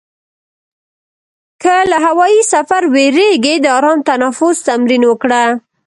که له هوایي سفر وېرېږې، د آرام تنفس تمرین وکړه.